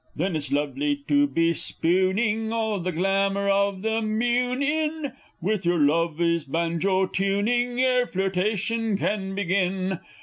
_ Then it's lovely to be spewning, all the glamour of the mewn in, With your love his banjo tewning, ere flirtation can begin!